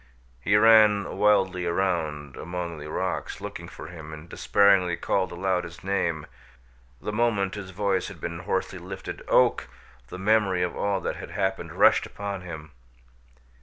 He ran wildly around among the rocks looking for him and despairingly called aloud his name. The moment his voice had been hoarsely lifted, "Oak!" the memory of all that had happened rushed upon him.